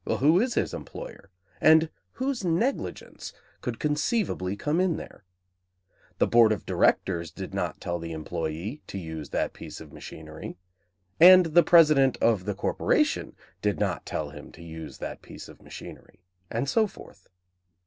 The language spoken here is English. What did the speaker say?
Who is his employer? And whose negligence could conceivably come in there? The board of directors did not tell the employee to use that piece of machinery; and the president of the corporation did not tell him to use that piece of machinery. And so forth.